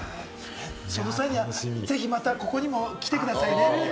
その際、またここにも来てくださいね。